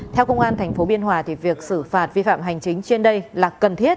theo công an tp biên hòa thì việc xử phạt vi phạm hành chính trên đây là cần thiết